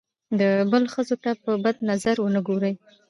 د بل ښځو ته په بد نظر ونه ګوري.